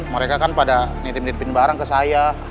mereka kan pada nitip nitipin barang ke saya